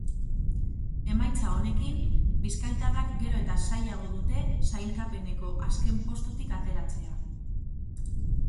Emaitza honekin, bizkaitarrak gero eta zailago dute sailkapeneko azken postutik ateratzea.